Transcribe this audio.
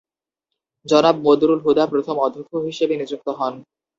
জনাব বদরুল হুদা প্রথম অধ্যক্ষ হিসেবে নিযুক্ত হন।